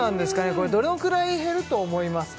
これどのくらい減ると思いますか？